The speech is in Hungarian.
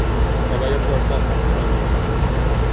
Maga joggal tarthat bolondnak.